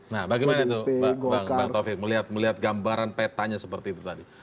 nah bagaimana itu bang taufik melihat gambaran petanya seperti itu tadi